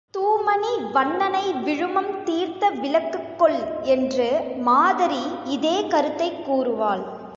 தூமணி வண்ணனை விழுமம் தீர்த்த விளக்குக் கொல் என்று மாதரி இதே கருத்தைக் கூறுவாள்.